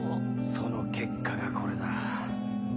その結果がこれだ。